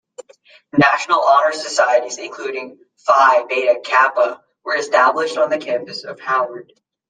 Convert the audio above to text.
National honor societies, including Phi Beta Kappa, were established on the campus of Howard.